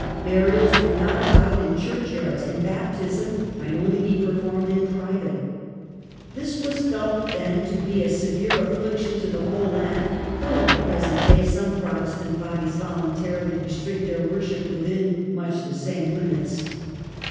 Burials were not allowed in churchyards, and baptism might only be performed in private. This was felt then to be a severe affliction to the whole land, — though at the present day some Protestant bodies voluntarily restrict their worship within much the same limits.